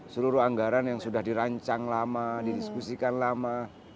seluruh anggaran yang sudah dirancang lama didiskusikan lama